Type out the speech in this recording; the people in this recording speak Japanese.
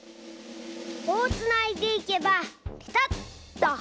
こうつないでいけばピタッと！